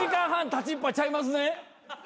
立ちっぱちゃいますね？